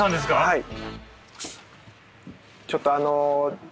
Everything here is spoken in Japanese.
はい。